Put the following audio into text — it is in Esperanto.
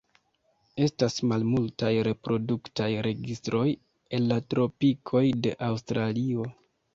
Estas malmultaj reproduktaj registroj el la tropikoj de Aŭstralio.